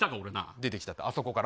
出てきたってあそこから？